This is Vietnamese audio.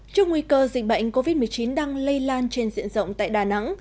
trước nguy cơ dịch bệnh covid một mươi chín đang lây lan trên diện rộng tại đà nẵng